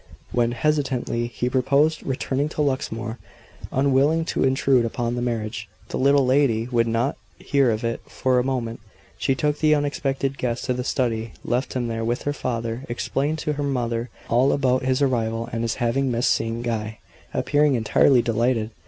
When, hesitatingly, he proposed returning to Luxmore, unwilling to intrude upon the marriage, the little lady would not hear of it for a moment. She took the unexpected guest to the study, left him there with her father, explained to her mother all about his arrival and his having missed seeing Guy appearing entirely delighted.